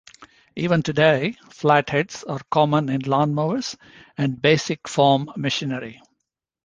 Even today, flatheads are common in lawnmowers, and basic farm machinery.